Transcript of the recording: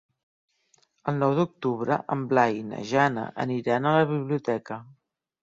El nou d'octubre en Blai i na Jana aniran a la biblioteca.